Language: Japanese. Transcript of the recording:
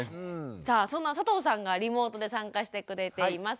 さあそんな佐藤さんがリモートで参加してくれています。